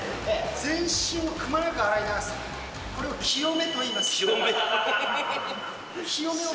全身をくまなく洗い流す、これを清めといいます。